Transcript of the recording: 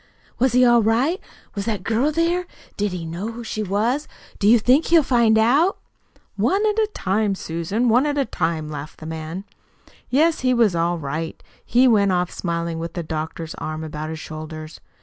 "Was he all right? Was that girl there? Did he know who she was? Do you think he'll find out?" "One at a time, Susan, one at a time," laughed the man. "Yes, he was all right. He went off smiling, with the doctor's arm about his shoulders.